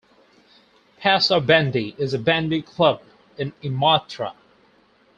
PaSa Bandy is a bandy club in Imatra.